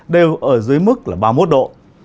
đều ở dưới mức ba mươi một độ